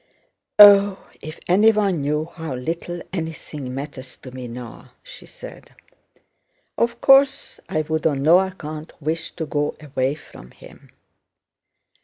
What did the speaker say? "Oh, if anyone knew how little anything matters to me now," she said. "Of course I would on no account wish to go away from him....